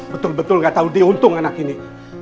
betul betul gak tahu dia untung anak ini